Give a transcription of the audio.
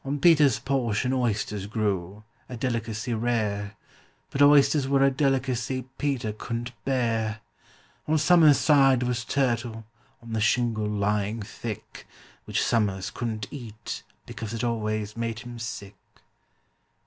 On PETER'S portion oysters grew—a delicacy rare, But oysters were a delicacy PETER couldn't bear. On SOMERS' side was turtle, on the shingle lying thick, Which SOMERS couldn't eat, because it always made him sick.